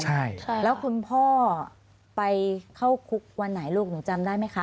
ใช่แล้วคุณพ่อไปเข้าคุกวันไหนลูกหนูจำได้ไหมคะ